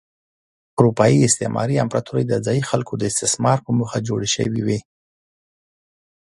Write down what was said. اروپايي استعماري امپراتورۍ د ځايي خلکو د استثمار په موخه جوړې شوې وې.